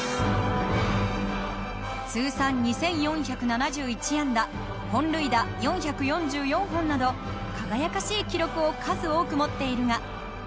通算２４７１安打本塁打４４４本など輝かしい記録を数多く持っているが。